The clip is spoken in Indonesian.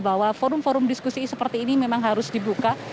bahwa forum forum diskusi seperti ini memang harus dibuka